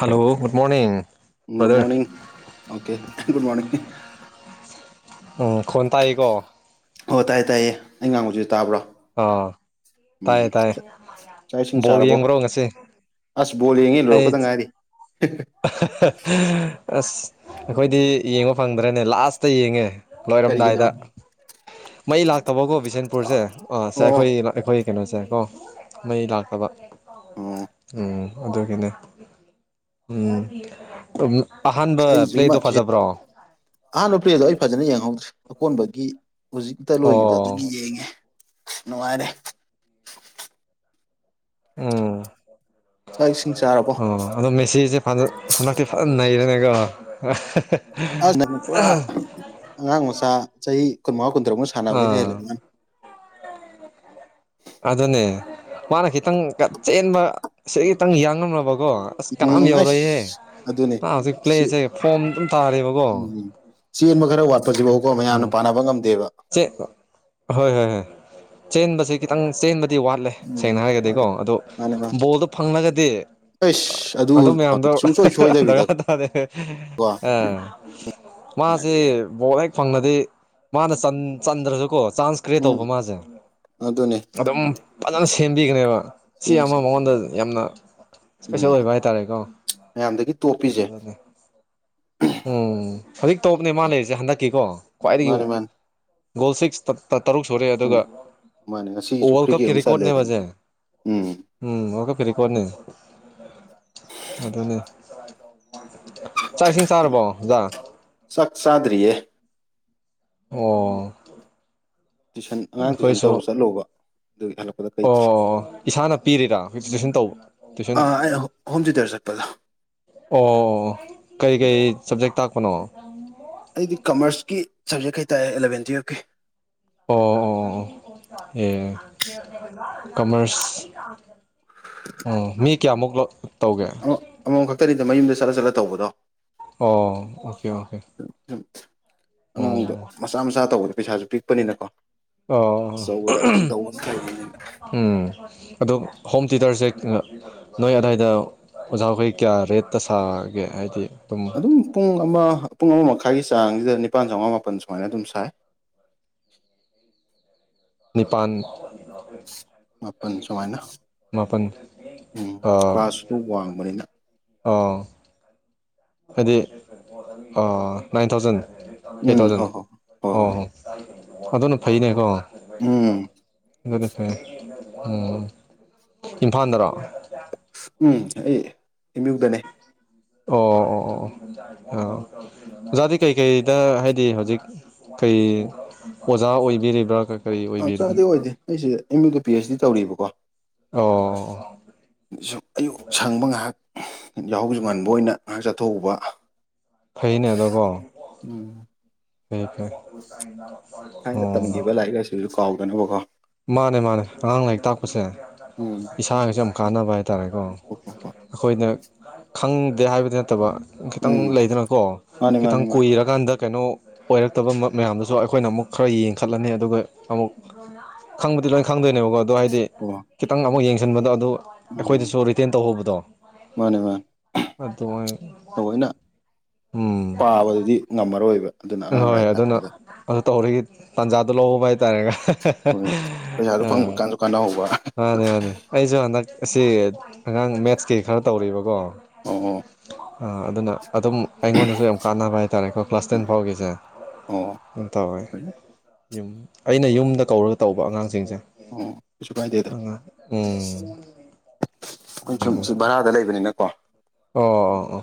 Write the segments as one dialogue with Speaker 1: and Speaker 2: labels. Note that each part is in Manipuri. Speaker 1: ꯍꯜꯂꯣ ꯒꯗ ꯃꯣꯔꯅꯤꯡ
Speaker 2: ꯨꯗ
Speaker 1: ꯕ꯭ꯔꯗꯔ
Speaker 2: ꯃꯣꯅꯤꯡ ꯑꯣꯀꯦ ꯗ ꯃꯅꯤꯡ
Speaker 1: ꯎꯝ ꯈꯣꯟ ꯇꯥꯛꯏꯀꯣ
Speaker 2: ꯑꯣꯣꯏ ꯇꯥꯏꯌꯦ ꯇꯥꯏꯌꯦ ꯑꯩ ꯉꯥꯡꯕꯁꯨ ꯇꯥꯕ꯭ꯔꯣ
Speaker 1: ꯑꯥ ꯇꯥꯏꯌꯦ
Speaker 2: ꯎꯝ
Speaker 1: ꯇꯥꯏꯌꯦ
Speaker 2: ꯆꯥꯛ ꯆꯥꯛ ꯏꯁꯤꯡ
Speaker 1: ꯕꯣꯜ
Speaker 2: ꯆꯥꯔꯕꯣ
Speaker 1: ꯌꯦꯡꯕ꯭ꯔꯣ ꯉꯁꯤ
Speaker 2: ꯑꯁ ꯣꯜꯂꯤ ꯌꯦꯉ
Speaker 1: ꯑꯩ
Speaker 2: ꯂꯀꯣꯗ ꯉꯥꯏꯔꯤ
Speaker 1: ꯑꯁ ꯑꯩꯈꯣꯏꯗꯤ ꯌꯦꯡꯕ ꯐꯪꯗ꯭ꯔꯅꯦ ꯂꯥꯁꯇ ꯌꯦꯡꯉꯦ
Speaker 2: ꯀꯔꯤꯒꯤꯅꯣ
Speaker 1: ꯂꯣꯏꯔꯝꯗꯥꯏꯗ ꯃꯩ ꯂꯥꯛꯇꯕꯀꯣ ꯕꯤꯁꯦꯟꯄꯨꯔꯁꯦ
Speaker 2: ꯑ-
Speaker 1: ꯁꯦ ꯑꯩꯈꯣꯏ
Speaker 2: ꯑꯣ
Speaker 1: ꯑꯩꯈꯣꯏ ꯀꯩꯅꯣꯁꯦꯀꯣ ꯃꯩ ꯂꯥꯛꯇꯕ
Speaker 2: ꯑꯣ
Speaker 1: ꯎꯝ ꯑꯗꯨꯒꯤꯅꯦ ꯎꯝ
Speaker 2: ꯑꯁ
Speaker 1: ꯑꯍꯥꯟꯕ
Speaker 2: ꯑꯩꯁꯨ ꯏꯃ
Speaker 1: ꯄ꯭ꯂꯦꯗꯣ ꯐꯖꯕ꯭ꯔꯣ
Speaker 2: ꯑꯍꯥꯟꯕ ꯅꯨꯄ꯭ꯔꯤꯗꯣ ꯑꯩ ꯐꯖꯅ ꯌꯦꯡꯍꯧꯒꯦ ꯑꯀꯣꯟꯕꯒꯤ ꯍꯧꯖꯤꯛꯇ ꯂꯣꯏꯈꯤꯕꯗꯣ ꯑꯗꯨꯒꯤ
Speaker 1: ꯑꯣ
Speaker 2: ꯌꯦꯡꯉꯦ ꯅꯨꯡꯉꯥꯏꯔꯦ
Speaker 1: ꯎꯝ
Speaker 2: ꯆꯥꯛ ꯏꯁꯤꯡ ꯆꯥꯔꯕꯣ
Speaker 1: ꯑꯣ ꯑꯗ ꯃꯦꯁꯤꯦ ꯍꯟꯗ ꯍꯟꯗꯛꯇꯤ ꯐꯖꯅ ꯅꯩꯔꯦꯅꯦꯀꯣ
Speaker 2: ꯑ ꯅꯪ ꯄꯨꯔꯥ ꯑꯉꯥꯡ ꯃꯆꯥ ꯆꯍꯤ ꯀꯨꯟꯃꯉꯥ ꯀꯨꯟ ꯀꯗꯔꯣ ꯁꯥꯟꯅꯕꯗꯤ
Speaker 1: ꯑꯥ
Speaker 2: ꯍꯂꯦ
Speaker 1: ꯑꯗꯨꯅꯦ ꯃꯥꯅ ꯈꯤꯇꯪ ꯆꯦꯟꯕ ꯁꯤ ꯈꯤꯇꯪ ꯌꯥꯡꯉꯝꯂꯕ ꯀꯣ ꯑꯁ ꯀꯅꯥꯝ
Speaker 2: ꯎꯝ
Speaker 1: ꯌꯧꯔꯛꯏꯍꯦ
Speaker 2: ꯑꯩꯁ ꯑꯗꯨꯅꯦ
Speaker 1: ꯃꯥ ꯍꯧꯖꯤꯛ
Speaker 2: ꯁꯤ
Speaker 1: ꯄ꯭ꯂꯦꯁꯦ ꯐꯣꯝ ꯑꯗꯨꯝ ꯇꯥꯔꯦꯕꯀꯣ
Speaker 2: ꯎꯝ ꯆꯦꯟꯕ ꯈꯔ ꯋꯥꯠꯄꯁꯤꯕꯀꯣ ꯃꯌꯥꯝꯅ
Speaker 1: ꯎꯝ
Speaker 2: ꯄꯥꯅꯕ
Speaker 1: ꯍꯣꯏ ꯍꯣꯏ ꯍꯣꯏ ꯆꯁꯈꯤꯪ ꯆ ꯗꯤ ꯋꯥꯠꯂꯦ
Speaker 2: ꯎꯝ
Speaker 1: ꯁꯦꯡꯅ ꯍꯥꯏꯔꯒꯗꯤꯀꯣ ꯑꯗꯨꯣ
Speaker 2: ꯃꯥꯅꯦ ꯃꯥꯅꯦ
Speaker 1: ꯕꯣꯜꯗꯣ ꯐꯪꯂꯒꯗꯤ
Speaker 2: ꯑꯩꯁ
Speaker 1: ꯑꯗꯨ
Speaker 2: ꯐꯪ
Speaker 1: ꯃꯌꯥꯝꯗꯣ
Speaker 2: ꯁꯨꯡꯁꯣꯏ ꯁꯣꯏꯗꯕꯤꯗꯀꯣ
Speaker 1: ꯇꯦ ꯑ ꯃꯥꯁꯤꯦ
Speaker 2: ꯅꯨꯡꯉꯥꯏꯔꯦ
Speaker 1: ꯕꯣꯠ ꯍꯦꯛ ꯐꯪꯅꯗꯤ ꯃꯥꯅ ꯆꯟꯗ꯭ꯔꯁꯨꯀꯣ ꯆꯥꯟꯁ ꯀ꯭ꯔꯤꯌꯦꯠ
Speaker 2: ꯎꯝ
Speaker 1: ꯇꯧꯕ ꯃꯥꯁꯦ
Speaker 2: ꯑꯗꯨꯅꯦ
Speaker 1: ꯑꯗꯨꯝ ꯐꯖꯅ ꯁꯦꯝꯕꯤꯒꯅꯦꯕ ꯁꯤ
Speaker 2: ꯁꯦꯝꯃꯦ
Speaker 1: ꯑꯃ
Speaker 2: ꯁꯦꯝꯃꯦ
Speaker 1: ꯃꯉꯣꯟꯗ ꯌꯥꯝꯅ ꯏꯁꯄꯦꯁꯦꯜ ꯑꯣꯏꯕ ꯍꯥꯏꯇꯥꯔꯦꯀꯣ
Speaker 2: ꯗꯒꯤ
Speaker 1: ꯎꯝ
Speaker 2: ꯇꯣꯞꯄꯤꯁꯦ
Speaker 1: ꯑꯗꯨꯅꯦ ꯎꯝ ꯍꯧꯖꯤꯛ ꯇꯧꯕꯅꯦ ꯃꯥ ꯂꯩꯔꯤꯁꯦ ꯍꯟꯗꯛꯀꯤꯀꯣ ꯈ꯭ꯋꯥꯏꯗꯒꯤ
Speaker 2: ꯃꯥꯅꯦ ꯃꯥꯅꯦ
Speaker 1: ꯒꯣꯜ ꯁꯤꯛꯁ ꯇꯔꯨꯛ ꯁꯨꯔꯦ
Speaker 2: ꯎꯝ
Speaker 1: ꯑꯗꯨꯒ
Speaker 2: ꯃꯥꯅꯦ ꯉꯁꯤꯒꯤꯁꯨ
Speaker 1: ꯋꯥꯔꯜ
Speaker 2: ꯐ꯭ꯔꯤꯒꯤ
Speaker 1: ꯀꯞꯀꯤ
Speaker 2: ꯑꯃ ꯆꯜꯂꯦꯗꯅ
Speaker 1: ꯔꯦꯀꯣꯔꯠꯅꯦꯕꯁꯦ
Speaker 2: ꯎꯝ
Speaker 1: ꯎꯝ ꯑꯣ ꯐꯔꯤ ꯀꯣꯅꯤ ꯑꯗꯨꯗꯅꯦ ꯆꯥꯛ ꯏꯁꯤꯡ ꯆꯥꯔꯕꯣꯗꯖ
Speaker 2: ꯆꯗꯔꯤꯌꯦ
Speaker 1: ꯑꯣ
Speaker 2: ꯇꯨꯏꯁꯟ ꯑꯉꯥꯡ ꯇꯨꯏꯁꯟ ꯇꯧꯕ
Speaker 1: ꯑꯩꯈꯣꯏꯁꯨ
Speaker 2: ꯆꯠꯂꯨꯕ ꯑꯗꯨꯒꯤ ꯍꯜꯂꯛꯄꯗ ꯀꯩꯇ꯭ꯔꯤ
Speaker 1: ꯑꯣ ꯏꯁꯥꯅ ꯄꯤꯔꯤꯔꯥ ꯍꯧ ꯖꯤꯣꯏ ꯇꯨꯏꯁꯟ ꯇꯧꯕ ꯇꯨꯏꯁꯟ
Speaker 2: ꯑꯥ ꯑꯩ ꯍꯣꯝ ꯊꯤꯌꯨꯇꯔ ꯆꯠꯄꯗꯣ
Speaker 1: ꯑꯣ ꯀꯔꯤ ꯀꯩ ꯁꯕꯖꯦꯛ ꯇꯥꯛꯄꯅꯣ
Speaker 2: ꯁꯞꯖꯦꯛ ꯀꯩ ꯇꯥꯏꯦ ꯑꯦꯂꯕꯦꯟꯇ ꯑꯣꯀꯦ
Speaker 1: ꯑꯣ ꯑꯣ ꯑꯦ ꯀꯃꯔꯁ ꯎꯝ ꯃꯤ ꯀꯌꯥ ꯃꯛꯂꯣ
Speaker 2: ꯑꯃꯃꯝ ꯈꯛꯇꯅꯤꯗ ꯃꯌꯨꯝꯗ ꯆꯠꯂ ꯆꯠꯂ ꯇꯧꯕꯗꯣ
Speaker 1: ꯑꯣ ꯑꯣꯀꯦ ꯑꯣꯀꯦ
Speaker 2: ꯁꯨꯝ ꯑꯉꯥꯡꯗꯣ
Speaker 1: ꯑꯣ
Speaker 2: ꯃꯆꯥ ꯃꯆꯥ ꯇꯧꯕꯗ ꯄꯩꯁꯥꯁꯨ ꯄꯤꯛꯄꯅꯤꯅꯀꯣ
Speaker 1: ꯑꯣ
Speaker 2: ꯑꯆꯧꯕꯗ ꯑꯝꯇꯪ ꯇꯧꯕꯅ ꯐꯩꯌꯦꯅ
Speaker 1: ꯎꯝ ꯑꯗꯨ ꯍꯣꯝ ꯊꯤꯇꯔꯁꯦ ꯅꯣꯏ ꯑꯗꯨꯗꯥꯋꯥꯏꯗ ꯑꯣꯖꯥꯈꯩ ꯀꯌꯥ ꯔꯦꯠꯇ ꯁꯥꯒꯦ ꯍꯥꯏꯗꯤ
Speaker 2: ꯑꯗꯨꯝ ꯄꯨꯡ ꯑꯃ ꯄꯨꯡ ꯑꯃ ꯃꯈꯥꯏ ꯈꯥꯒꯤ ꯆꯥꯡꯁꯤꯗ ꯅꯤꯄꯥꯜ ꯆꯥꯝꯃꯉꯥ ꯃꯥꯄꯜ ꯁꯨꯃꯥꯏꯅ ꯑꯗꯨꯝ ꯁꯥꯏ
Speaker 1: ꯅꯤꯄꯜ
Speaker 2: ꯃꯥꯄꯜ ꯁꯨꯃꯥꯏꯅ
Speaker 1: ꯃꯥꯄꯜ
Speaker 2: ꯎꯝ
Speaker 1: ꯑꯥ
Speaker 2: ꯀ꯭ꯂꯥꯁꯁꯨ ꯋꯥꯡꯕꯅꯤꯅ
Speaker 1: ꯑꯥ ꯍꯥꯏꯗꯤ ꯅꯥꯏꯟ ꯊꯥꯎꯖꯟ ꯑꯩꯠ
Speaker 2: ꯎꯝ
Speaker 1: ꯊꯥꯎꯖꯟ
Speaker 2: ꯍꯣꯏ ꯍꯣꯏ
Speaker 1: ꯑꯣ ꯍꯣꯏ ꯑꯗꯨꯅ ꯐꯩꯅꯦꯀꯣ
Speaker 2: ꯎꯝ
Speaker 1: ꯑꯗꯨꯅ ꯐꯩ ꯎꯝ ꯏꯝꯐꯥꯜꯗꯔꯣ
Speaker 2: ꯎꯝ ꯑꯩ ꯏꯃꯨꯗꯅꯦ
Speaker 1: ꯑꯣ ꯑꯣ ꯑ ꯑꯣꯖꯥꯗꯤ ꯀꯩꯀꯩꯗ ꯍꯥꯏꯗꯤ ꯍꯧꯖꯤꯛ ꯀꯩ ꯑꯣꯖꯥ ꯑꯣꯏꯕꯤꯔꯤꯕ꯭ꯔꯥ ꯀꯔꯤ
Speaker 2: ꯑ
Speaker 1: ꯑꯣꯏꯕꯤꯔꯤ
Speaker 2: ꯆꯥꯗꯤ ꯑꯣꯏꯗꯦ ꯑꯩꯁꯤꯗ ꯑꯦꯝ ꯌꯨꯗ ꯄꯤ ꯑꯩꯆ ꯗꯤ ꯇꯧꯔꯤꯕꯀꯣ
Speaker 1: ꯑꯣ
Speaker 2: ꯑꯌꯨꯛ ꯁꯪꯕ ꯉꯥꯏꯍꯥꯛ ꯌꯥꯍꯧꯁꯨ ꯉꯥꯟꯕ ꯑꯣꯏꯅ ꯉꯥꯏꯍꯥꯛ ꯆꯠꯊꯣꯛꯧꯕ
Speaker 1: ꯐꯩꯅꯦ ꯑꯗꯣꯀꯣ ꯍ ꯐ
Speaker 2: ꯊꯥꯏꯅ ꯇꯝꯈꯤꯕ ꯂꯥꯏꯔꯤꯛ ꯂꯥꯏꯁꯨꯁꯨ ꯀꯥꯎꯗꯅꯕꯀꯣ
Speaker 1: ꯃꯥꯅꯦ ꯃꯥꯅꯦ ꯑꯉꯥꯡ ꯂꯥꯏꯔꯤꯛ ꯇꯥꯛꯄ ꯄꯣꯠꯁꯦ
Speaker 2: ꯎꯝ
Speaker 1: ꯏꯁꯥꯒꯁꯨꯦ ꯌꯥꯝ ꯀꯥꯟꯅꯕ ꯍꯥꯏꯇꯥꯔꯦꯀꯣ
Speaker 2: ꯍꯣꯏ ꯍꯣꯏ ꯍꯣꯏ
Speaker 1: ꯑꯩꯈꯣꯏꯅ ꯈꯪꯗꯦ ꯍꯥꯏꯕꯗꯤ ꯅꯠꯇꯕ ꯈꯤꯇꯪ
Speaker 2: ꯎꯝ
Speaker 1: ꯂꯩꯗꯅꯀꯣ
Speaker 2: ꯃꯥꯅꯤ ꯃꯥꯅꯤ
Speaker 1: ꯈꯤꯇꯪ
Speaker 2: ꯃꯥꯅꯤ
Speaker 1: ꯀꯨꯏꯔꯀꯥꯟꯗ ꯀꯩꯅꯣ ꯑꯣꯏꯔꯛꯇꯕ ꯃꯌꯥꯝꯗꯨꯁꯨ ꯑꯩꯈꯣꯏꯅ ꯑꯃꯨꯛ ꯈꯔ ꯌꯦꯡꯈꯠꯂꯅꯤ ꯑꯗꯨꯒ ꯑꯃꯨꯛ ꯈꯪꯕꯗꯤ ꯂꯣꯏ ꯈꯪꯗꯣꯏꯅꯦꯕꯀꯣ ꯑꯗꯣ ꯍꯥꯏꯗꯤ
Speaker 2: ꯑꯣ
Speaker 1: ꯈꯤꯇꯪ ꯑꯃꯨꯛ ꯌꯦꯡꯁꯤꯟꯕꯗꯣ ꯑꯗꯨ
Speaker 2: ꯎꯝ
Speaker 1: ꯑꯩꯈꯣꯏꯗꯁꯨ ꯔꯤꯇꯦꯟ ꯇꯧꯍꯧꯕꯗꯨ
Speaker 2: ꯃꯥꯅꯦ ꯃꯥꯅꯦ ꯇꯑꯣꯏꯅ
Speaker 1: ꯎꯝ
Speaker 2: ꯄꯥꯕꯗꯨꯗꯤ ꯉꯝꯃꯔꯣꯏꯕ ꯑꯗꯨꯅ ꯑꯉꯥꯡ
Speaker 1: ꯍꯣꯏ
Speaker 2: ꯂꯥꯏꯔꯤꯛ
Speaker 1: ꯑꯗꯨꯅ
Speaker 2: ꯇꯥꯛꯄꯗ
Speaker 1: ꯑꯗꯨ ꯇꯧꯔꯤꯒꯤ ꯇꯥꯟꯖꯥꯗꯣ ꯂꯧꯍ ꯍꯥꯏ ꯇꯔꯒ
Speaker 2: ꯍꯣꯏ ꯄꯩꯁꯥꯁꯨ
Speaker 1: ꯑ
Speaker 2: ꯐꯪꯕ ꯀꯥꯟꯁꯨ ꯀꯥꯟꯅꯍꯧꯕ
Speaker 1: ꯃꯥꯅꯤ ꯃꯥꯅꯦ ꯑꯩꯁꯨ ꯍꯟꯗꯛ ꯑꯁꯤ ꯑꯉꯥꯡ ꯃꯦꯠꯁꯀꯤ ꯈꯔ ꯇꯧꯔꯤꯕꯀꯣ
Speaker 2: ꯑꯣ
Speaker 1: ꯑꯗꯨꯅ ꯑꯗꯨꯝ ꯑꯩꯉꯣꯟꯗꯁꯨ ꯌꯥꯝ ꯀꯥꯟꯅꯕ ꯍꯥꯏꯇꯥꯔꯦ ꯑꯩꯀꯣ ꯀ꯭ꯂꯥꯁ ꯇꯦꯟ
Speaker 2: ꯎꯝ
Speaker 1: ꯐꯥꯎꯒꯤꯁꯦ
Speaker 2: ꯑꯣ
Speaker 1: ꯌꯥꯝꯝ ꯇꯧꯋꯦ
Speaker 2: ꯍꯣꯏ
Speaker 1: ꯌꯨꯝ ꯑꯩꯅ ꯌꯨꯝꯗ ꯀꯧꯔꯒ ꯇꯧꯕ ꯑꯉꯥꯡꯁꯤꯡꯁꯦ
Speaker 2: ꯎꯝ ꯀꯩꯁꯨ ꯀꯥꯏꯗꯦꯗ
Speaker 1: ꯑꯉꯥꯡ ꯎꯝ
Speaker 2: ꯑꯩꯈꯣꯏ ꯁꯨꯝ ꯁꯤ ꯚꯔꯥꯗ ꯂꯩꯕꯅꯤꯅꯀꯣ
Speaker 1: ꯑꯣ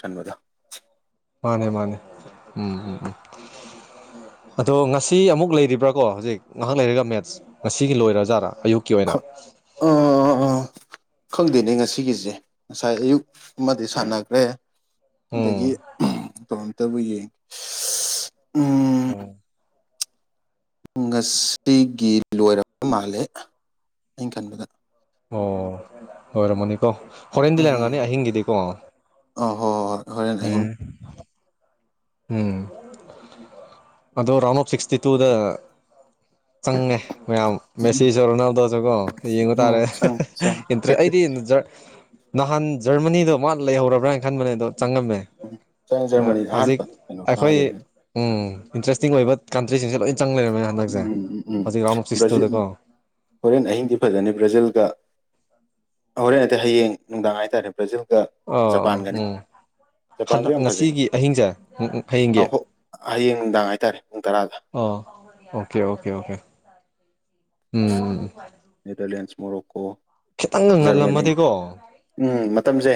Speaker 2: ꯁꯟꯃꯗ
Speaker 1: ꯃꯥꯅꯦ ꯃꯥꯅꯦ ꯎꯝ ꯎꯝ ꯎꯝ
Speaker 2: [inaudible]
Speaker 1: ꯑꯗꯣ ꯉꯁꯤ ꯑꯃꯨꯛ ꯂꯩꯔꯤꯕ꯭ꯔꯥꯀꯣ ꯍꯧꯖꯤꯛ ꯉꯥꯏꯍꯥꯛ ꯂꯩꯔꯒ ꯃꯦꯠꯁ ꯉꯁꯤꯒꯤ ꯂꯣꯏꯔꯖꯥꯔꯥ ꯑꯌꯨꯛꯀꯤ ꯑꯣꯏꯅ
Speaker 2: ꯑꯣ ꯑꯣ ꯑꯣ ꯈꯪꯗꯦꯅꯦ ꯉꯁꯤꯒꯤꯁꯦ ꯉꯁꯥꯏ ꯑꯌꯨꯛ ꯑꯃꯗꯤ ꯁꯥꯟꯅꯈ꯭ꯔꯦ ꯑꯗꯒꯤ
Speaker 1: ꯎꯝ
Speaker 2: ꯃꯐꯝ ꯑꯝꯇꯕꯨ ꯌꯦꯡ
Speaker 1: ꯎꯝ
Speaker 2: ꯉꯁꯤꯒꯤ ꯂꯣꯏꯔꯕ ꯃꯥꯜꯂꯦ ꯑꯩꯅ ꯈꯟꯕꯗ
Speaker 1: ꯑꯣ ꯂꯣꯏꯔꯝꯃꯅꯤꯀꯣ ꯍꯣꯔꯦꯟꯗꯤ
Speaker 2: ꯎꯝ
Speaker 1: ꯂꯩꯔꯝꯒꯅꯤ ꯑꯍꯤꯡꯒꯤꯗꯤꯀꯣ
Speaker 2: ꯑ ꯍꯣꯏ ꯍꯣꯏ ꯍꯣꯔꯦꯟ ꯑꯍꯤꯡ
Speaker 1: ꯎꯝ ꯎꯝ ꯑꯗꯣ ꯔꯥꯎꯟ ꯑꯣꯐ ꯁꯤꯛꯁꯇꯤ ꯇꯨꯗ ꯆꯪꯉꯦ ꯃꯌꯥꯝ ꯃꯦꯁꯤꯁꯨꯔꯣꯅꯥꯎꯗꯁꯨ ꯀꯣ ꯌꯦꯡꯉꯨ
Speaker 2: ꯎꯝ
Speaker 1: ꯇꯥꯔꯦ
Speaker 2: ꯆꯪꯉꯦ ꯆꯪꯉꯦ
Speaker 1: ꯏꯟꯇ꯭ꯔꯦ ꯑꯩꯗꯤ ꯅꯍꯥꯟ ꯖꯔꯃꯅꯤꯗꯣ ꯃꯥ ꯂꯩꯍꯧꯔꯕ꯭ꯔꯥꯅ ꯈꯟꯕꯅꯦ ꯑꯗꯣ ꯆꯪꯉꯝꯃꯦ
Speaker 2: ꯎꯝ ꯖꯔꯃꯅꯤ ꯑꯍꯥꯟꯕ ꯀꯩꯅꯣ ꯀꯥꯈꯤꯕꯅꯤ
Speaker 1: ꯎ ꯏꯟꯇꯔꯦꯁꯇꯤꯡ ꯑꯣꯏꯕ ꯀꯟꯇ꯭ꯔꯤꯁꯤꯡꯁꯦ ꯂꯣꯏꯅ
Speaker 2: ꯎꯝ ꯎꯝ ꯎꯝ ꯕ꯭ꯔꯖꯤꯜ
Speaker 1: ꯁꯤꯛꯁꯇꯨꯗꯀꯣ
Speaker 2: ꯍꯣꯔꯦꯟ ꯑꯍꯤꯡꯗꯤ ꯐꯖꯅꯤ ꯕ꯭ꯔꯥꯖꯤꯜꯒ ꯍꯣꯔꯦꯟ ꯅꯠꯇꯇꯩ ꯍꯌꯦꯡ ꯅꯨꯡꯗꯥꯡ ꯍꯥꯏꯇꯥꯔꯦ ꯄ꯭ꯔꯖ
Speaker 1: ꯑꯥ ꯎꯝ ꯍꯟꯗ
Speaker 2: ꯖꯄꯥꯟꯁꯨ ꯌꯥꯝ ꯐꯖꯩ
Speaker 1: ꯉꯁꯤꯒꯤ ꯑꯍꯤꯡꯁꯦ ꯍꯌꯦꯡꯒꯤ
Speaker 2: ꯑ ꯍꯣ ꯍꯌꯦꯡ ꯅꯨꯡꯗꯥꯡ ꯍꯥꯏꯇꯥꯔꯦ ꯄꯨꯡ ꯇꯔꯥꯗ
Speaker 1: ꯑꯣ ꯑꯣꯀꯦ ꯑꯣꯀꯦ ꯑꯣꯀꯦ ꯎꯝ ꯎꯝ
Speaker 2: ꯅꯦꯗꯔꯂꯦꯟꯁ ꯃꯣꯔꯣꯀꯣ
Speaker 1: ꯈꯤꯇꯪꯒ
Speaker 2: ꯖꯔꯃꯅꯤ
Speaker 1: ꯉꯜꯂꯝꯃꯗꯤꯀꯣ
Speaker 2: ꯎꯝ ꯃꯇꯝꯁꯦ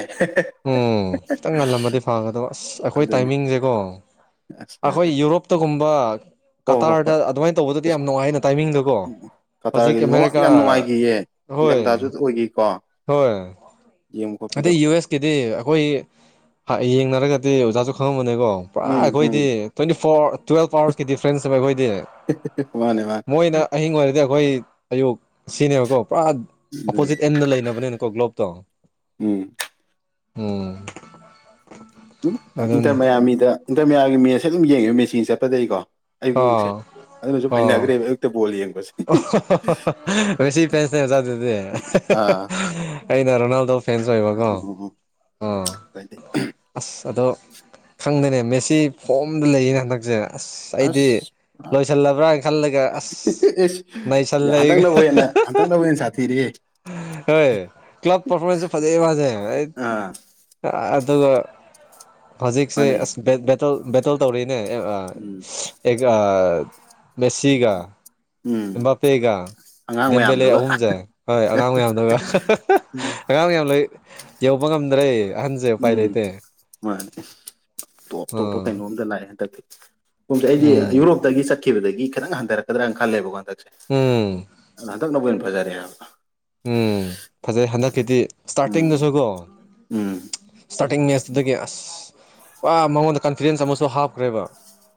Speaker 1: ꯎꯝ ꯈꯤꯇꯪ ꯉꯜꯂꯝꯃꯗꯤ ꯐꯒꯗꯕ ꯑꯁ ꯑꯩꯈꯣꯏ
Speaker 2: ꯑꯗꯨꯅꯤ
Speaker 1: ꯇꯥꯏꯃꯤꯡꯁꯦꯀꯣ
Speaker 2: ꯑꯁ
Speaker 1: ꯑꯩꯈꯣꯏ
Speaker 2: ꯌꯥꯗꯦ
Speaker 1: ꯌꯨꯔꯣꯞꯇꯒꯨꯝꯕ
Speaker 2: ꯍꯣꯏ ꯍꯣꯏ
Speaker 1: ꯀꯇꯥꯔꯗ
Speaker 2: ꯍꯣꯏ
Speaker 1: ꯑꯗꯨꯃꯥꯏꯅ ꯇꯧꯕꯗꯗꯤ
Speaker 2: ꯑꯁ
Speaker 1: ꯌꯥꯝ ꯅꯨꯡꯉꯥꯏꯅ ꯇꯥꯏꯃꯤꯡꯗ ꯀꯣ ꯍꯧꯖꯤꯛ
Speaker 2: ꯀꯇꯥꯔꯒꯤꯗꯤ ꯃꯃꯥꯡ
Speaker 1: ꯑꯃꯦꯔꯤꯀꯥ
Speaker 2: ꯌꯥꯝ ꯅꯨꯡꯉꯥꯏꯈꯤꯌꯦ
Speaker 1: ꯍꯣꯏ
Speaker 2: ꯅꯤꯡꯊꯝꯊꯥꯁꯨ ꯑꯣꯏꯈꯤꯀꯣ
Speaker 1: ꯍꯣꯏ
Speaker 2: ꯌꯦꯡꯕ
Speaker 1: ꯑꯗ
Speaker 2: ꯈꯣꯠꯄꯗꯣ
Speaker 1: ꯌꯨ ꯑꯦꯁ ꯀꯦꯗꯤ ꯑꯩꯈꯣꯏ ꯑꯩ ꯌꯦꯡꯅꯔꯒꯗꯤ ꯑꯣꯖꯥꯁꯨ ꯈꯪꯉꯃꯅꯤ ꯣ ꯄꯨꯔꯥ
Speaker 2: ꯎꯝ ꯎꯝ
Speaker 1: ꯑꯩꯈꯣꯏꯗꯤ ꯇ꯭ꯋꯦꯟꯇꯤ ꯐꯣꯔ ꯇꯨꯋ ꯑꯋꯥꯔꯁ ꯗꯤꯐ꯭ꯔꯦꯟꯁ ꯑꯩꯈꯣꯏꯗꯤ
Speaker 2: ꯃꯥꯅꯦ ꯃꯥꯅꯦ
Speaker 1: ꯃꯣꯏꯅ ꯑꯍꯤꯡ ꯑꯣꯏꯔꯗꯤ ꯑꯩꯈꯣꯏ ꯑꯌꯨꯛ ꯁꯤꯅꯦꯕꯀꯣ ꯄꯨꯔꯥ
Speaker 2: ꯑꯗꯨꯅꯤ
Speaker 1: ꯑꯣꯄꯣꯖꯤꯠ ꯑꯦꯟꯗ ꯂꯩꯅꯕ [unintelligible] ꯀ‌ꯣ ꯒꯂ‌ꯣꯂꯞ ꯇ‌ꯣ
Speaker 2: ꯎꯝ
Speaker 1: ꯎꯝ
Speaker 2: ꯑꯗꯨꯝ
Speaker 1: ꯑꯗꯨꯅꯦ
Speaker 2: ꯏꯟꯇꯔꯃꯌꯥ ꯃꯤꯗ ꯏꯟꯇꯔꯃꯌꯥꯒꯤ ꯃꯤ ꯑꯁꯦ ꯑꯗꯨꯝ ꯌꯦꯡꯉꯦꯕ ꯃꯦꯆꯤꯟ ꯆꯠꯄꯗꯒꯤꯀꯣ ꯑꯌꯨꯛ ꯑꯌꯨꯛꯦ
Speaker 1: ꯑꯥ
Speaker 2: ꯑꯗꯨꯅꯁꯨꯨꯝ ꯍꯩꯅꯈ꯭ꯔꯦꯕ ꯑꯌꯛꯇ ꯕꯣꯜ ꯌꯦꯡꯕ
Speaker 1: [unintelligible] ꯉꯁꯤ ꯐꯁꯅꯦ ꯆꯗꯗꯤ
Speaker 2: ꯑꯥ
Speaker 1: ꯑꯩꯅ ꯔꯣꯅꯥꯜꯗꯣ ꯐꯦꯟꯁ ꯑꯣꯏꯕꯀꯣ
Speaker 2: ꯎꯝ
Speaker 1: ꯑꯥ
Speaker 2: ꯀꯥꯏꯗꯦ
Speaker 1: ꯑꯁ ꯑꯗꯣ ꯈꯪꯗꯅꯦ ꯃꯦꯁꯤ ꯐꯣꯝꯗ ꯂꯩꯌꯦꯅ ꯍꯟꯗꯛꯁꯦ ꯑꯁ ꯑꯩꯗꯤ
Speaker 2: ꯑꯁ ꯄꯨꯔꯥ
Speaker 1: ꯂꯣꯏꯁꯤꯜꯂꯕ꯭ꯔꯅ ꯈꯜꯂꯒ ꯑꯁ ꯅꯩꯁꯜꯂꯦ
Speaker 2: ꯍꯟꯇꯛ
Speaker 1: ꯑꯩꯒ
Speaker 2: ꯅ ꯍꯦꯅ ꯍꯟꯇꯛ ꯅ ꯍꯦꯅ ꯁꯥꯊꯤ
Speaker 1: ꯍꯣꯏ ꯀ ꯀ꯭ꯂꯕ ꯄꯔꯐꯃꯦꯟꯁꯁꯨ ꯐꯖꯩ ꯃꯥꯖꯦ
Speaker 2: ꯑꯥ
Speaker 1: ꯑꯗꯨꯒ ꯍꯧꯖꯤꯛꯁꯦ
Speaker 2: ꯃꯥꯅꯦ
Speaker 1: ꯑ ꯕ ꯇꯧꯔꯤ ꯅꯦ
Speaker 2: ꯎꯝ
Speaker 1: ꯑꯦ ꯃꯦꯁꯤꯒ
Speaker 2: ꯎꯝ
Speaker 1: ꯕꯥꯄꯦꯒ
Speaker 2: ꯑꯉꯥꯡ
Speaker 1: ꯗꯦꯝꯕꯦꯂꯦ
Speaker 2: ꯃꯌꯥꯝꯗꯨꯒ
Speaker 1: ꯑꯍꯨꯝꯁꯦ ꯍꯣꯏ ꯑꯉꯥꯡ ꯃꯌꯥꯝꯗꯨꯒ ꯑꯉꯥꯡ ꯃꯌꯥꯝ ꯂꯩ ꯌꯧꯕ ꯉꯝꯗ꯭ꯔꯦ ꯑꯍꯟꯁꯦ ꯎꯄꯥꯏ
Speaker 2: ꯎꯝ
Speaker 1: ꯂꯩꯇꯦ
Speaker 2: ꯃꯥꯅꯦ ꯇꯣꯞ
Speaker 1: ꯑ
Speaker 2: ꯇꯣꯞꯄ
Speaker 1: ꯎꯝ
Speaker 2: ꯀꯩꯅꯣꯝꯗ ꯂꯥꯛꯑꯦ ꯍꯟꯗꯛꯇꯤ ꯄꯨꯝꯁꯦ ꯑꯩꯗꯤ ꯌꯨꯔꯣꯞꯇꯒꯤ ꯆꯠꯈꯤꯕꯗꯒꯤ ꯈꯤꯇꯪ ꯍꯟꯊꯔꯛꯀꯗ꯭ꯔꯥꯅ ꯈꯜꯂꯦꯕꯀꯣꯟꯗ
Speaker 1: ꯎꯝ
Speaker 2: ꯖꯔꯦ
Speaker 1: ꯎꯝ ꯐꯖꯩ ꯍꯟꯗꯛꯀꯤꯗꯤ
Speaker 2: ꯎꯝ
Speaker 1: ꯏꯁꯇꯥꯔꯇꯤꯡꯗꯁꯨꯀꯣ
Speaker 2: ꯎꯝ
Speaker 1: ꯏꯁꯇꯥꯔꯇꯤꯡ ꯁꯤꯗꯒꯤ ꯑꯁ ꯋꯥ ꯃꯉꯣꯟꯗ ꯀꯟꯐꯤꯗꯦꯟꯁ ꯑꯃꯁꯨ ꯍꯥꯞꯈ꯭ꯔꯦꯕ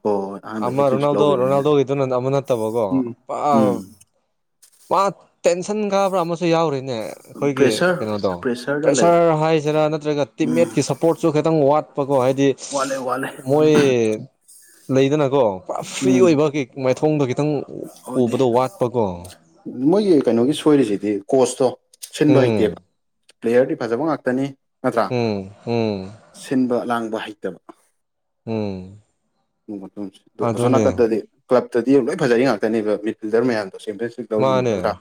Speaker 2: ꯍꯣꯏ ꯍꯣꯏ ꯑꯍꯥꯟꯕ
Speaker 1: ꯑꯃ
Speaker 2: ꯍꯦꯇ꯭ꯔꯤꯛꯁꯨ
Speaker 1: ꯔꯣꯅꯥꯜꯗꯣ
Speaker 2: ꯂꯧꯈꯤꯕꯅꯤꯅ
Speaker 1: ꯔꯣꯅꯥꯜꯗꯣꯒꯤꯗ ꯑꯃ ꯅꯠꯇꯕꯀꯣ
Speaker 2: ꯎꯝ [unintelligible]
Speaker 1: ꯃꯥ ꯇꯦꯟꯁꯟ ꯀꯥꯕ꯭ꯔꯥ ꯑꯃꯁꯨ ꯌꯥꯎꯔꯤ ꯑꯩꯈꯣꯏꯒꯤ
Speaker 2: ꯄ꯭ꯔꯦꯁꯔ
Speaker 1: ꯀꯩꯅꯣꯗꯣ
Speaker 2: ꯄ꯭ꯔꯦꯁꯔꯗ ꯂꯩ
Speaker 1: ꯄ꯭ꯔꯦꯁꯔ ꯍꯥꯏꯁꯤꯔꯥ ꯅꯠꯇ꯭ꯔꯒ
Speaker 2: ꯎꯝ
Speaker 1: ꯇꯤꯝꯃꯦꯠꯀꯤ ꯁꯞꯄꯣꯔꯠꯁꯨ ꯈꯤꯇꯪ ꯋꯥꯠ ꯄꯀꯣ ꯍꯥꯏꯗꯤ
Speaker 2: ꯋꯥꯠꯂꯦ ꯋꯥꯠꯂꯦ
Speaker 1: ꯃꯣꯏ ꯂꯩꯗꯅꯀꯣ ꯄꯨ ꯐ꯭ꯔꯤ ꯑꯣꯏꯕ ꯀꯦꯛ ꯃꯥꯏꯊꯣꯡꯗꯨ
Speaker 2: ꯑꯣꯏꯗꯤ ꯃꯣꯏꯒꯤ ꯀꯩꯅꯣꯒꯤ ꯁꯣꯏꯔꯤꯁꯤꯗꯤ ꯀꯣꯁꯇꯣ ꯁꯤꯟꯕ
Speaker 1: ꯎꯝ
Speaker 2: ꯍꯩꯇꯦꯕ ꯄ꯭ꯂꯦꯌꯔꯗꯤ ꯐꯖꯕ ꯉꯥꯛꯇꯅꯤ ꯅꯠꯇ꯭ꯔꯥ
Speaker 1: ꯎꯝ ꯎꯝ
Speaker 2: ꯁꯤꯟꯕ ꯂꯥꯡꯕ ꯍꯩꯇꯕ
Speaker 1: ꯎꯝ
Speaker 2: ꯑꯗꯣ ꯑꯁꯣꯝ
Speaker 1: ꯑꯗꯨꯅꯦ
Speaker 2: ꯅꯥꯀꯟꯗꯗꯤ ꯀ꯭ꯂꯞꯇꯗꯤ ꯂꯣꯏ ꯐꯖꯔꯤ ꯉꯥꯛꯇꯅꯦꯕ ꯃꯤꯠ ꯐꯤꯜꯗꯔ ꯃꯌꯥꯝꯁꯦ ꯇꯣꯁꯕꯦꯟ ꯇꯧꯔꯤꯅꯤ ꯅꯠꯇ꯭ꯔꯥ
Speaker 1: ꯃꯥꯅꯦ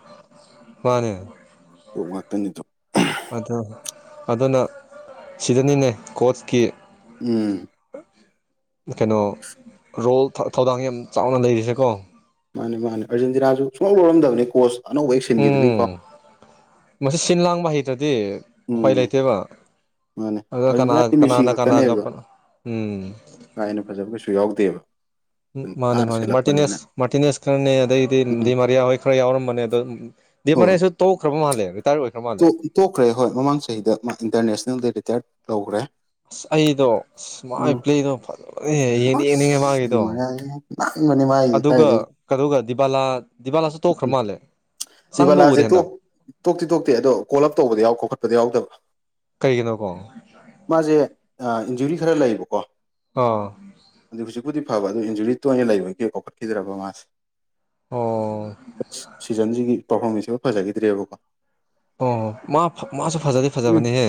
Speaker 2: ꯇꯣ ꯉꯥꯛꯇꯅꯤꯗꯣ
Speaker 1: ꯑ ꯑꯗꯨꯅ ꯁꯤꯗꯅꯤꯅꯦ ꯀꯣꯆꯀꯤ
Speaker 2: ꯎꯝ
Speaker 1: ꯀꯩꯅꯣ ꯔꯣꯜ ꯊꯧꯗꯥꯡ ꯌꯥꯝ ꯆꯥꯎꯅ ꯂꯩꯔꯤꯁꯦꯀꯣ
Speaker 2: ꯃꯥꯅꯦ ꯃꯥꯅꯤ ꯑꯔꯖꯦꯟꯇꯤꯅꯥꯁꯨ ꯁꯨꯡꯂ ꯂꯧꯔꯝꯗꯕꯅꯤ ꯀꯣꯆ ꯑꯅꯧꯕ ꯍꯦꯛ ꯁꯤꯟꯈꯤꯕꯅꯤꯀꯣ
Speaker 1: ꯎꯝ ꯑꯗꯨꯗꯤ ꯎꯄꯥꯏ ꯂꯩꯇꯦꯕ
Speaker 2: ꯃꯥꯅꯦ
Speaker 1: ꯑꯗꯨ ꯀꯅꯥ
Speaker 2: ꯑꯥꯔꯖꯦꯟꯇꯤꯅꯥꯗꯤ ꯃꯦꯁꯤ
Speaker 1: ꯀꯅꯥꯅ ꯀꯅꯥꯒ
Speaker 2: ꯈꯛꯇꯅꯦꯕ
Speaker 1: ꯎꯝ
Speaker 2: ꯀꯥ ꯍꯦꯟꯅ ꯐꯖꯕ ꯀꯩꯁꯨ ꯌꯥꯎꯗꯦꯕ
Speaker 1: ꯎ ꯃꯥꯅꯦ
Speaker 2: ꯅꯥꯟꯅ
Speaker 1: ꯃꯥꯅꯦ
Speaker 2: ꯁꯤꯜꯂꯛꯄꯅꯤꯅ
Speaker 1: ꯃꯥꯔꯇꯤꯅꯦꯁ ꯃꯥꯔꯇꯤꯅꯦꯁ ꯈꯔꯅꯦ ꯑꯗꯩꯗꯤ
Speaker 2: ꯎꯝ
Speaker 1: ꯗꯤꯃꯥꯔꯤꯌꯥ ꯍꯣꯏ ꯈꯔ ꯌꯥꯎꯔꯝꯕꯅꯦ ꯑꯗꯣ ꯗꯗꯤ ꯃꯦꯁꯨ ꯇꯧꯈ꯭ꯔꯕ ꯃꯥꯜꯂꯦ ꯔꯤꯇꯥꯌꯔ ꯑꯣꯏꯈ꯭ꯔ ꯃꯥꯜꯂꯦ
Speaker 2: ꯇꯣꯛꯈ꯭ꯔꯦ ꯍꯣꯏ ꯃꯃꯥꯡ ꯆꯍꯤꯍꯤꯗ ꯃꯥ ꯏꯟꯇꯔꯅꯦꯁꯅꯦꯜꯒꯤ ꯔꯤꯇꯥꯌꯔꯠ ꯇꯧꯈ꯭ꯔꯦ
Speaker 1: ꯑꯁ ꯑꯩꯗꯣ ꯑꯁ
Speaker 2: ꯎꯝ
Speaker 1: ꯃꯥꯏ ꯄ꯭ꯂꯦꯗꯣ ꯐꯖꯅ ꯌꯦꯡ ꯌꯦꯡꯅꯤꯡꯉꯦ ꯃꯥꯒꯤꯗꯣ
Speaker 2: ꯅꯥꯟꯕꯅꯦ ꯃꯥꯒꯤꯗꯤ
Speaker 1: ꯑꯗꯨꯒ
Speaker 2: ꯀꯥꯏꯗꯩ
Speaker 1: ꯀꯩꯅ ꯗꯤꯕꯥꯂꯥ ꯗꯤꯕꯥꯂꯥꯁꯨ ꯇꯣꯛꯈ꯭ꯔ ꯃꯥꯜꯂꯦ ꯆꯪꯕ
Speaker 2: ꯗꯤꯚꯂꯥꯁꯦ
Speaker 1: ꯎꯗꯦ ꯍꯟꯗꯛ
Speaker 2: ꯇꯣꯛꯇꯤ ꯇꯣꯛꯇꯦ ꯑꯗꯣ
Speaker 1: ꯀꯩꯒꯤꯅꯣꯀꯣ
Speaker 2: [unintelligible] ꯈꯔ ꯂꯩꯕꯀꯣ
Speaker 1: ꯑꯣ
Speaker 2: ꯕꯨꯗꯤ ꯐꯕ ꯑꯗꯨ ꯏꯟꯖꯨꯔꯤ ꯇ ꯑꯣꯏꯅ ꯂꯩꯕꯒꯤ ꯀꯣꯛꯈꯠꯈꯤꯗ꯭ꯔꯕ ꯃꯥꯁꯦ
Speaker 1: ꯑꯣ
Speaker 2: ꯑꯁ ꯁꯤꯖꯟꯁꯤꯒꯤ ꯄꯥꯔꯐꯣꯔꯃꯦꯟꯁꯁꯤꯃ ꯐꯖꯈꯤꯗ꯭ꯔꯦꯕꯀꯣ
Speaker 1: ꯑꯣ ꯍꯣ ꯃꯥꯁꯨ ꯐꯖꯗꯤ
Speaker 2: ꯎꯝ
Speaker 1: ꯐꯖꯕꯅꯤꯍꯦ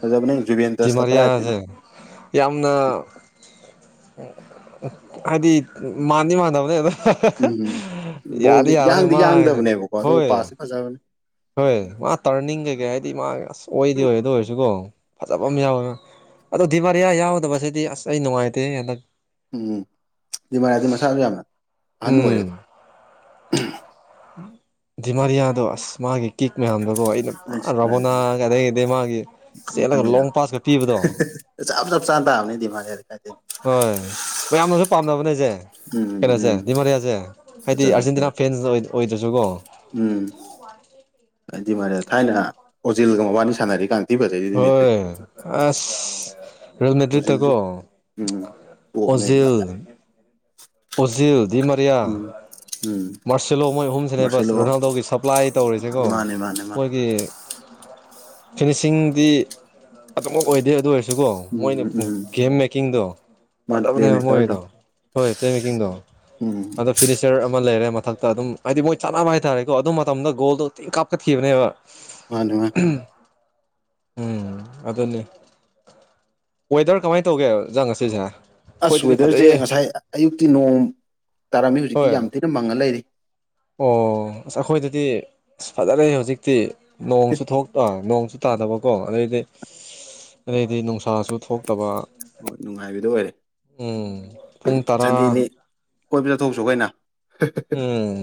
Speaker 2: ꯐꯖꯕꯅꯦ ꯖꯨꯕꯦꯟꯇꯁꯇ ꯀꯗꯥꯏꯗꯩꯅꯣ
Speaker 1: ꯃꯔꯤꯌꯥꯁꯦ ꯌꯥꯝ ꯌꯥꯝꯅ ꯍꯥꯏꯗꯤ ꯃꯥꯟꯗꯤ ꯃꯥꯟꯗꯕꯅꯦꯗ
Speaker 2: ꯎꯝ
Speaker 1: ꯌꯥꯗ
Speaker 2: ꯕꯣꯜꯗꯤ
Speaker 1: ꯌꯥꯅꯤ
Speaker 2: ꯌꯥꯡꯗꯤ
Speaker 1: ꯃꯥꯉꯅꯦ
Speaker 2: ꯌꯥꯡꯗꯕꯅꯦꯕꯀꯣ ꯑꯗꯨꯒ
Speaker 1: ꯍꯣꯏ
Speaker 2: ꯄꯥꯁꯇꯤ ꯐꯖꯕꯅꯦ
Speaker 1: ꯍꯣꯏ ꯃꯥ ꯇꯥꯔꯅꯤꯡ ꯀꯩꯀꯩ ꯍꯥꯏꯗꯤ ꯃꯥ ꯑꯁ ꯑꯣꯏꯗꯤ ꯑꯣꯏꯗ ꯑꯣꯏꯔꯁꯨ ꯀꯣ ꯐꯖꯕ ꯑꯃ ꯌꯥꯎꯋꯦ ꯑꯗꯨꯣ ꯗꯤꯚꯔꯤꯌꯥ ꯌꯥꯎꯗꯕꯁꯤꯗꯤ ꯑꯁ ꯑꯩ ꯅꯨꯡꯉꯥꯏꯇꯦ ꯍꯟꯗꯛ
Speaker 2: ꯎꯝ ꯑꯗꯨꯗꯤ ꯃꯔꯥꯗꯤ ꯃꯁꯥꯁꯨ ꯌꯥꯝꯅ ꯑꯍꯟ ꯑꯣꯏꯔꯦꯗ
Speaker 1: ꯗꯤꯃꯔꯤ ꯑꯗꯨꯣ ꯑꯁ ꯃꯥꯒꯤ ꯀꯤꯛ ꯃꯌꯥꯝꯗꯀꯣ ꯑꯩꯅ ꯔꯕꯣꯅꯥ ꯀꯗꯩ ꯀꯗꯩ ꯃꯥꯒꯤ
Speaker 2: ꯃꯈ
Speaker 1: ꯆꯦꯜꯂꯒ
Speaker 2: ꯃꯈꯟꯅꯤꯗ
Speaker 1: ꯂꯣꯡ ꯄꯥꯁꯀ ꯄꯤꯕꯗꯣ
Speaker 2: ꯆꯞ ꯆꯞ ꯆꯥꯅ ꯇꯥꯕꯅꯤꯗꯤ ꯃꯥꯅ ꯀꯥꯏꯗꯣꯏꯅꯤ
Speaker 1: ꯍꯣꯏ ꯃꯌꯥꯝꯅꯁꯨ ꯄꯥꯝꯅꯕꯅꯦꯁꯦ
Speaker 2: ꯎꯝ
Speaker 1: ꯀꯩꯅꯣꯁꯦ
Speaker 2: ꯎꯝ
Speaker 1: ꯗꯤꯃꯥꯔꯤꯌꯥꯁꯦ ꯍꯥꯏꯗꯤ
Speaker 2: ꯐꯖꯕꯅꯦ ꯐꯖꯕꯅꯦ
Speaker 1: ꯑꯥꯔꯖꯦꯟꯇꯤꯅꯥ ꯐꯦꯟꯁ ꯑꯣꯏꯗ꯭ꯔꯁꯨꯀꯣ
Speaker 2: ꯎꯝ ꯍꯥꯏꯗꯤ ꯃꯥꯦ ꯊꯥꯏꯅ ꯑꯣꯖꯤꯜꯒ ꯃꯕꯥꯅꯤ ꯁꯥꯟꯅꯔꯤꯀꯥꯟ ꯊꯤ ꯐꯖꯩꯗꯨꯗꯤ ꯃꯦꯗ꯭ꯔꯤꯠ
Speaker 1: ꯍꯣꯏ ꯑꯁ ꯔꯕꯤꯅꯤꯇ꯭ꯔꯤ ꯇꯀꯣ
Speaker 2: ꯑꯣ ꯃꯕꯂ ꯌꯥ
Speaker 1: ꯑꯣꯖꯤꯜ ꯗꯤꯃꯔꯌꯥ
Speaker 2: ꯎꯝ
Speaker 1: ꯃꯥꯔꯁꯤꯂꯣ ꯃꯣꯏ ꯑꯍꯨꯝꯁꯤꯅꯦ
Speaker 2: ꯃꯥꯔꯁꯦꯂꯣ
Speaker 1: ꯕꯁ ꯔꯣꯅꯥꯜꯗꯣꯒꯤ ꯁꯄ꯭ꯂꯥꯏ ꯇꯧꯔꯤꯁꯦꯀꯣ
Speaker 2: ꯃꯥꯅꯦ ꯃꯥꯅꯦ ꯃꯥ
Speaker 1: ꯃꯣꯏꯒꯤ ꯐꯤꯅꯤꯁꯤꯡꯗꯤ ꯑꯗꯨꯃꯛ ꯑꯣꯏꯗꯦ ꯑꯗꯨ ꯑꯣꯏꯔꯁꯨ ꯁꯨꯀꯣ ꯃꯣꯏꯅ
Speaker 2: ꯎꯝ ꯎꯝ
Speaker 1: ꯒꯦꯝ ꯃꯦꯀꯤꯡꯗꯣ
Speaker 2: ꯃꯥꯅ ꯄ꯭ꯂꯦ
Speaker 1: ꯄꯖꯕꯅꯦꯕ
Speaker 2: ꯃꯦꯀꯔꯗꯣ
Speaker 1: ꯃꯣꯏꯗꯣ ꯍꯣꯏ ꯄ꯭ꯂ ꯃꯦꯀꯤꯡꯗꯣ
Speaker 2: ꯎꯝ
Speaker 1: ꯑꯗꯣ ꯐꯤꯅꯤꯆꯔ ꯑꯃ ꯂꯩꯔꯦ ꯃꯊꯛꯇ ꯑꯗꯨꯝ ꯍꯥꯏꯗꯤ ꯃꯣꯏ ꯆꯥꯅꯕ ꯍꯥꯏꯇꯥꯔꯦꯀꯣ ꯑꯗꯨ ꯃꯇꯝꯗ ꯒꯣꯜꯗꯣꯇꯤꯡ ꯀꯥꯞꯀꯠꯈꯤꯕꯅꯦꯕ
Speaker 2: ꯋꯥꯅꯦꯃ
Speaker 1: ꯎꯝ ꯑꯗꯨꯅꯤ ꯋꯦꯗꯔ ꯀꯃꯥꯏꯅ ꯇꯧꯒꯦꯖꯥꯡ ꯉꯁꯤꯁꯦ
Speaker 2: ꯑꯁ
Speaker 1: ꯑꯩꯈꯣꯏꯗꯗꯤ
Speaker 2: ꯋꯦꯗꯔꯁꯦ
Speaker 1: ꯐꯖꯩꯌꯦ
Speaker 2: ꯉꯁꯥꯏ ꯑꯌꯨꯛꯇꯤ ꯅꯣꯡ ꯇꯥꯔꯝꯃꯤ
Speaker 1: ꯍꯣꯏ
Speaker 2: ꯍꯧꯖꯤꯛꯇꯤ ꯌꯥꯝ ꯊꯤꯅ ꯃꯥꯡ
Speaker 1: ꯑꯣ ꯑꯁ ꯑꯩꯈꯣꯏꯗꯗꯤ ꯑꯁ ꯐꯖꯔꯦ ꯍꯧꯖꯤꯛꯇꯤ ꯅꯣꯡꯁꯨ ꯊꯣꯛ ꯅꯣꯡꯁꯨ ꯇꯥꯗꯕꯀꯣ ꯑꯗꯩꯗꯤ ꯑꯗꯩꯗꯤ ꯅꯨꯡꯁꯥꯁꯨ ꯊꯣꯛꯇꯕ
Speaker 2: ꯍꯣꯏ ꯅꯨꯡꯉꯥꯏꯕꯗꯨ ꯑꯣꯏꯔꯦ
Speaker 1: ꯎꯝ ꯄꯨꯡ ꯇꯔꯥ
Speaker 2: ꯁꯟꯗꯦꯅꯤ ꯀꯣꯏꯕ ꯆꯠꯊꯣꯛꯁꯨ ꯀꯩꯅ
Speaker 1: ꯎꯝ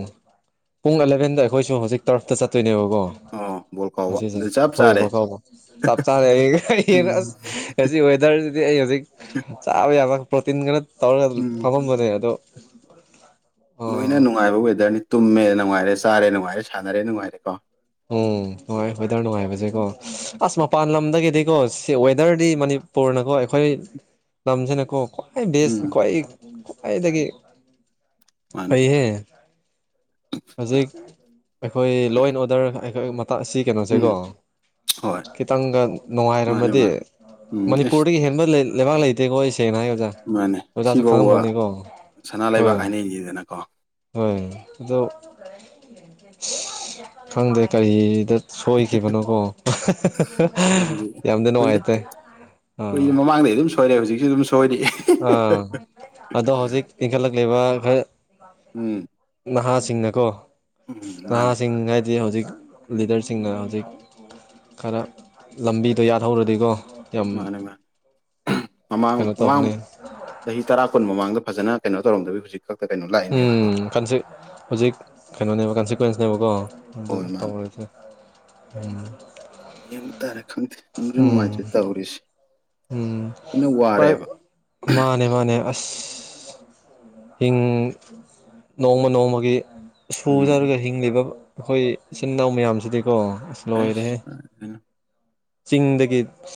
Speaker 1: ꯄꯨꯡ ꯑꯦꯂꯚꯦꯟꯗ ꯑꯩꯈꯣꯏꯁꯨ ꯍꯧꯖꯤꯛ ꯇꯔꯐꯇ ꯆꯠꯇꯣꯏꯅꯦꯕꯀꯣ
Speaker 2: ꯑꯣ ꯕꯣꯜ ꯀꯥꯎꯕ
Speaker 1: ꯃꯁꯤꯁꯦ
Speaker 2: ꯑꯗꯨ ꯆꯞ
Speaker 1: ꯍꯣꯏ
Speaker 2: ꯆꯥꯔꯦ
Speaker 1: ꯐꯥꯎꯕ ꯆꯞ ꯆꯥꯅ
Speaker 2: ꯎꯝ
Speaker 1: ꯑꯁ ꯋꯦꯗꯔꯁꯤꯗꯤ ꯑꯩ ꯍꯧꯖꯤꯛ ꯆꯥꯕ ꯌꯥꯕ ꯄ꯭ꯔꯣꯇꯤꯟ ꯈꯔ ꯇꯧꯔꯒ
Speaker 2: ꯎꯝ
Speaker 1: ꯐꯝꯃꯝꯕꯅꯦ ꯑꯗꯣ
Speaker 2: ꯂꯣꯏꯅ
Speaker 1: ꯑꯥ
Speaker 2: ꯅꯨꯡꯉꯥꯏꯕ ꯋꯦꯗꯔꯅꯤ ꯇꯨꯝꯃꯦ ꯅꯨꯡꯉꯥꯏꯔꯦ ꯆꯥꯔꯦ ꯅꯨꯡꯉꯥꯏꯔꯦ ꯁꯥꯟꯅꯔꯦ ꯅꯨꯡꯉꯥꯏꯔꯦ ꯀꯣ
Speaker 1: ꯑꯣ ꯅꯨꯡꯉꯥꯏ ꯋꯦꯗꯔ ꯅꯨꯡꯉꯥꯏꯕꯁꯦꯀꯣ ꯑꯁ ꯃꯄꯥꯟ ꯂꯝꯗꯒꯤꯗꯤꯀꯣ ꯁꯤ ꯋꯦꯗꯔꯗꯤꯅꯤ ꯄꯨꯣꯔꯅꯀꯣ ꯑꯩꯈꯣꯏ ꯂꯝꯁꯤꯅꯀꯣ ꯍ ꯕꯦꯁ
Speaker 2: ꯎꯝ
Speaker 1: ꯈ꯭ꯋꯥꯏ ꯈ꯭ꯋꯥꯏꯗꯒꯤ
Speaker 2: ꯃꯥꯅꯦ
Speaker 1: ꯐꯩꯍꯦ ꯍꯧꯖꯤꯛ ꯑꯩꯈꯣꯏ ꯂꯣ ꯑꯦꯟ ꯑꯣꯗꯔ ꯑꯩꯣꯏ ꯑꯁꯤ
Speaker 2: ꯎꯝ
Speaker 1: ꯀꯩꯅꯣꯁꯦꯀꯣ
Speaker 2: ꯍꯣꯏ
Speaker 1: ꯈꯤꯇꯪꯒ
Speaker 2: ꯃꯥꯅꯦ
Speaker 1: ꯅꯨꯡꯉꯥꯏꯔꯝꯃꯗꯤ
Speaker 2: ꯃꯥꯅꯦ ꯎꯝ ꯑꯦꯁ
Speaker 1: ꯃꯅꯤꯄꯨꯔꯗꯒꯤ ꯍꯦꯟꯕ ꯂꯩꯕꯥꯛ ꯂꯩꯇꯦꯀꯣ ꯑꯩꯁꯦ ꯁꯦꯡꯅ ꯍꯥꯏ ꯑꯣꯖꯥ
Speaker 2: ꯃꯥꯅꯦ
Speaker 1: ꯑꯣꯖꯥꯁꯨ
Speaker 2: ꯁꯤꯐꯧꯕ
Speaker 1: ꯈꯪꯉꯝꯃꯅꯤꯀꯣ
Speaker 2: ꯁꯅꯥ ꯂꯩꯕꯥꯛ
Speaker 1: ꯍꯣꯏ
Speaker 2: ꯍꯥꯏꯅꯩꯅꯤꯗꯅꯀꯣ
Speaker 1: ꯍꯣꯏ ꯑꯗꯣ ꯈꯪꯗꯦ ꯀꯔꯤꯗ ꯁꯣꯏꯈꯤꯕꯅꯨꯀꯣ ꯌꯥꯝꯗꯤ ꯅꯨꯡꯉꯥꯏꯇꯥꯏ
Speaker 2: ꯀꯨꯏ ꯃꯃꯥꯡꯗꯩ ꯑꯗꯨꯝ ꯁꯣꯏꯔꯦ ꯍꯧꯖꯤꯛꯁꯨ ꯑꯗꯨꯝ ꯁꯣꯏꯔꯤ
Speaker 1: ꯑꯥ ꯑꯗꯣ ꯍꯧꯖꯤꯛ ꯏꯟꯈꯠꯂꯛꯂꯤꯕ ꯔ
Speaker 2: ꯎꯝ
Speaker 1: ꯅꯍꯥꯁꯤꯡꯅꯀꯣ
Speaker 2: ꯎꯝ ꯃꯥꯅꯦ
Speaker 1: ꯅꯍꯥꯁꯤꯡ ꯍꯥꯏ ꯍꯧ ꯍꯧꯖꯤꯛ ꯂꯤꯗꯔꯁꯤꯡꯅ ꯍꯧꯖꯤꯛ ꯈꯔ ꯂꯝꯕꯤꯗꯣ ꯌꯥꯠꯍꯧꯔꯗꯤꯀꯣ ꯌꯥꯝ
Speaker 2: ꯃꯥꯅꯦ ꯃꯥꯅꯦ ꯃꯃꯥꯡ
Speaker 1: ꯀꯩꯅꯣ
Speaker 2: ꯃꯃꯥꯡ
Speaker 1: ꯇꯧꯕꯅꯦ
Speaker 2: ꯆꯍꯤ ꯇꯔꯥ ꯀꯨꯟ ꯃꯃꯥꯡꯗ ꯐꯖꯅ ꯀꯩꯅꯣ ꯇꯧꯔꯝꯗꯕꯤ ꯍꯧꯖꯤꯛ ꯈꯛꯇ ꯀꯩꯅꯣ ꯂꯥꯛꯏꯅꯦꯕꯀꯣ
Speaker 1: ꯎꯝꯁꯤ ꯍꯧꯖꯤꯛ ꯀꯩꯅꯣꯅꯦꯕ ꯀꯟꯁꯤꯀ꯭ꯋꯦꯟꯁꯅꯦꯕꯀꯣ
Speaker 2: ꯍꯣꯏ
Speaker 1: ꯑꯗꯨꯗ
Speaker 2: ꯃꯥꯅꯦ
Speaker 1: ꯇꯥꯕꯔꯗꯤ
Speaker 2: ꯌꯦꯡ ꯇꯥꯔꯦ ꯈꯪꯗꯦ ꯅꯨꯡꯁꯨ
Speaker 1: ꯎꯝ
Speaker 2: ꯅꯨꯡꯉꯥꯏꯖ꯭ꯔꯦ ꯇꯥꯧꯔꯤꯁꯦ
Speaker 1: ꯎꯝ ꯄꯥꯏ ꯃꯥꯅꯦ ꯃꯥꯅꯦ ꯑꯁ ꯑ ꯍꯤꯡ ꯅꯣꯡꯃ ꯅꯣꯡꯃꯒꯤ
Speaker 2: ꯎꯝ
Speaker 1: ꯁꯨꯖꯔꯒ ꯍꯤꯡꯂꯤꯕ ꯑꯩꯈꯣꯏ ꯏꯆꯤꯟ ꯏꯅꯥꯎ ꯃꯌꯥꯝꯁꯤꯗꯤ ꯀꯣ ꯑꯁ ꯂꯣꯏꯔꯦ
Speaker 2: ꯑꯩꯁ ꯀꯥꯏꯗꯩꯅꯣ
Speaker 1: ꯆꯤꯡꯗꯒꯤ